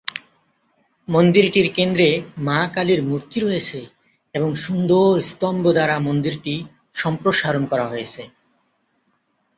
মন্দিরটির কেন্দ্রে মা কালীর মূর্তি রয়েছে এবং সুন্দর স্তম্ভ দ্বারা মন্দিরটি সম্প্রসারণ করা হয়েছে।